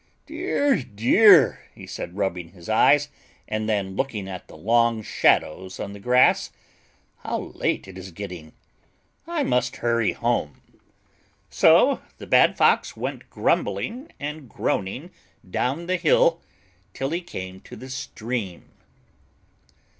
"Dear, dear," he said, rubbing his eyes and then looking at the long shadows on the grass, "how late it is getting. I must hurry home." So the bad Fox went grumbling and groaning down the hill till he came to the stream.